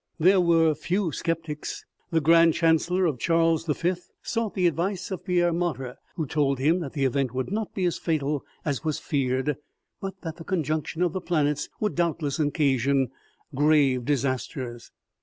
There were few sceptics. The grand chancellor of Charles v. sought the advice of Pierre Martyr, who told him that the event would not be as fatal as was feared, but that the conjunction of the planets would doubtless occasion grave disasters.